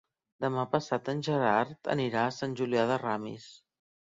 Demà passat en Gerard anirà a Sant Julià de Ramis.